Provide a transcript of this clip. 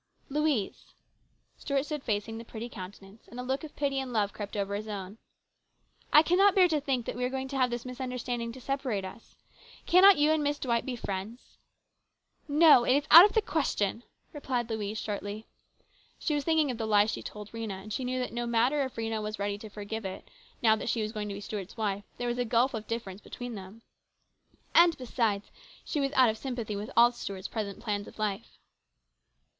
" Louise," Stuart stood facing the pretty coun tenance, and a look of pity and love crept over his own, " I cannot bear to think that we are going to have this misunderstanding to separate us. Cannot you and Miss D wight be friends ?"" No, it is out of the question," replied Louise shortly. She was thinking of the lie she told Rhena, and she knew that no matter if Rhena was ready to forgive it, now that she was going to be Stuart's wife, there was a gulf of difference between them. And, besides, she was out of sympathy with all Stuart's present plans of life.